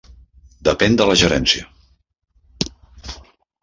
Depèn de la Gerència.